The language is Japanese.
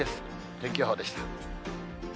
天気予報でした。